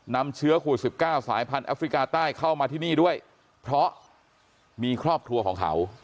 นำเชื้อโควิด๑๙สายพันธุแอฟริกาใต้เข้ามาที่นี่ด้วยเพราะมีครอบครัวของเขา